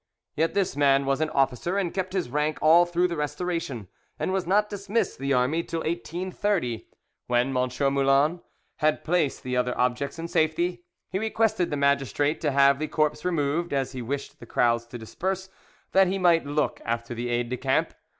Yet this man was an officer, and kept his rank all through the Restoration, and was not dismissed the army till 1830. When M. Moulin had placed the other objects in safety, he requested the magistrate to have the corpse removed, as he wished the crowds to disperse, that he might look after the aides de camp.